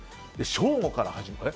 正午から。